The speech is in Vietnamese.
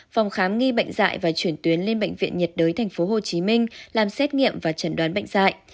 phòng khám nghi bệnh dại và chuyển tuyến lên bệnh viện nhiệt đới tp hcm làm xét nghiệm và chẩn đoán bệnh dạy